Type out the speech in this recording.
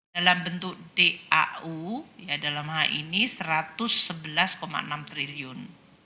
dalam bentuk dau dalam hal ini rp satu ratus sebelas enam triliun